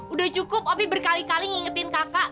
udah cukup opi berkali kali ngingetin kakak